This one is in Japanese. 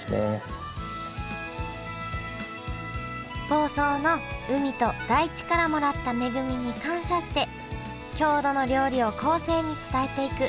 房総の海と大地からもらった恵みに感謝して郷土の料理を後世に伝えていく。